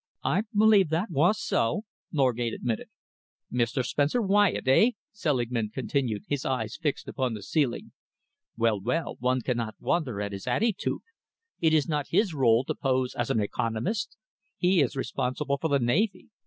"I believe that was so," Norgate admitted. "Mr. Spencer Wyatt, eh?" Selingman continued, his eyes fixed upon the ceiling. "Well, well, one cannot wonder at his attitude. It is not his role to pose as an economist. He is responsible for the navy.